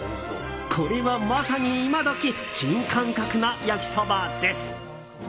これはまさに、今時新感覚な焼きそばです。